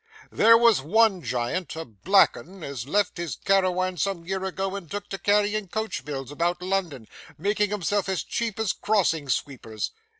There was one giant a black 'un as left his carawan some year ago and took to carrying coach bills about London, making himself as cheap as crossing sweepers.